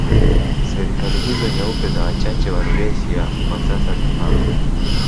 Serikali hizo nyeupe za wachache wa Rhodesia kwa sasa Zimbabwe